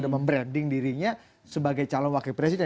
membranding dirinya sebagai calon wakil presiden